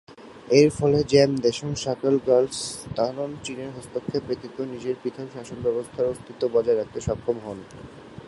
এরফলে 'জাম-দ্ব্যাংস-শা-ক্যা-র্গ্যাল-ম্ত্শান চীনের হস্তক্ষেপ ব্যতীত নিজের পৃথক শাসনব্যবস্থার অস্তিত্ব বজায় রাখতে সক্ষম হন।